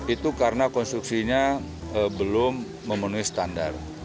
itu karena konstruksinya belum memenuhi standar